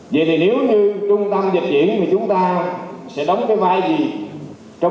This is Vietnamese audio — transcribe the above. để chúng ta thể hiện được cái vai trò